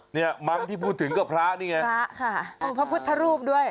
เนี่ยมังที่พูดถึงก็พระนี่ไงพระค่ะองค์พระพุทธรูปด้วย